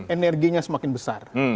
energinya semakin besar